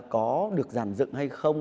có được giảm dựng hay không